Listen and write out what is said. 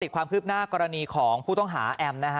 ความคืบหน้ากรณีของผู้ต้องหาแอมนะฮะ